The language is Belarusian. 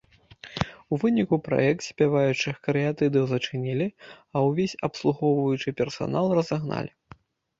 У выніку праект спяваючых карыятыдаў зачынілі, а ўвесь абслугоўваючы персанал разагналі.